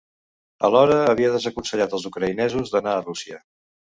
Alhora havia desaconsellat els ucraïnesos d’anar a Rússia.